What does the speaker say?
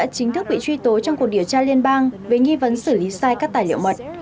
chính thức bị truy tố trong cuộc điều tra liên bang về nghi vấn xử lý sai các tài liệu mật